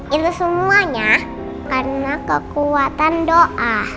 itu semuanya karena kekuatan doa